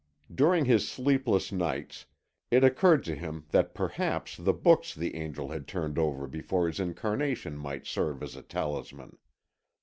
During his sleepless nights it occurred to him that perhaps the books the angel had turned over before his incarnation might serve as a talisman.